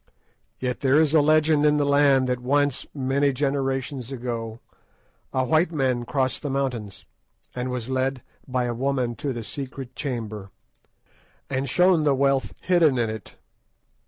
Yet there is a legend in the land that once, many generations gone, a white man crossed the mountains, and was led by a woman to the secret chamber and shown the wealth hidden in it.